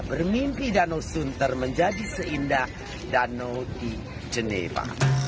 bermimpi danau sunter menjadi seindah danau di jeneva